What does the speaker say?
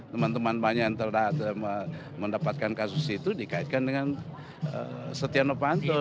teman teman banyak yang telah mendapatkan kasus itu dikaitkan dengan setia novanto